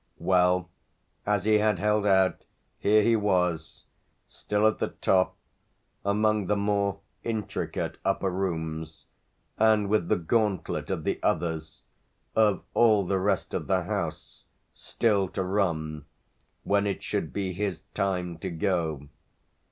Well, as he had held out, here he was still at the top, among the more intricate upper rooms and with the gauntlet of the others, of all the rest of the house, still to run when it should be his time to go.